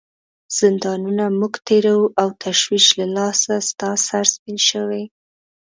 زندانونه موږ تیروو او تشویش له لاسه ستا سر سپین شوی.